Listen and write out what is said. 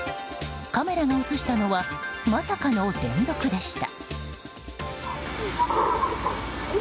カメラが映したのはまさかの連続でした。